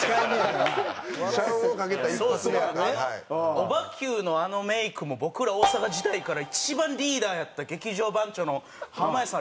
オバＱのあのメイクも僕ら大阪時代から一番リーダーやった劇場番長の濱家さん